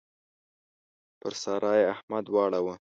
پر سارا يې احمد واړاوو.